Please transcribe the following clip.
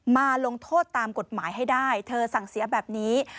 มาลงโทษตามกฎหมายให้ได้เธอสั่งเสียแบบนี้